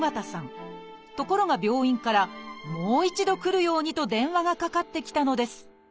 ところが病院から「もう一度来るように」と電話がかかってきたのです。